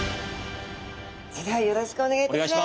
それではよろしくおねがいいたします。